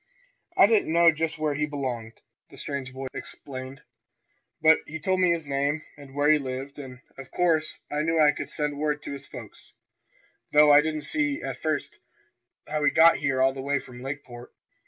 "I didn't know just where he belonged," the strange boy explained. "But he told me his name, and where he lived, and of course I knew I could send word to his folks, though I didn't see, at first, how he got here all the way from Lakeport."